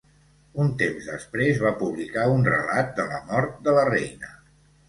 Un temps després va publicar un relat de la mort de la reina.